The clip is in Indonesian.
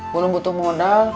belum butuh modal